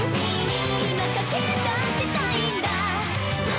「『今駆けだしたいんだ．．．！！』」